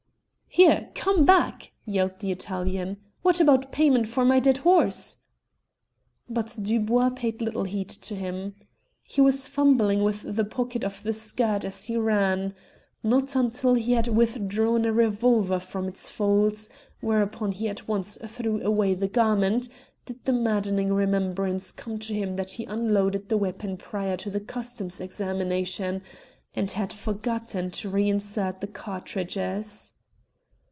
"Here! Come back!" yelled the Italian. "What about payment for my dead horse?" But Dubois paid little heed to him. He was fumbling with the pocket of the skirt as he ran. Not until he had withdrawn a revolver from its folds whereupon he at once threw away the garment did the maddening remembrance come to him that he unloaded the weapon prior to the Customs examination, and had forgotten to reinsert the cartridges.